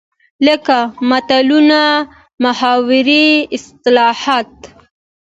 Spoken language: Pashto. لکه متلونه، محاورې ،اصطلاحات